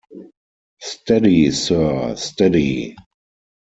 Steady, sir, steady!